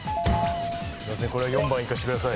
これは４番いかせてください。